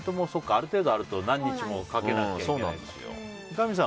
ある程度あると何日もかけなきゃいけない。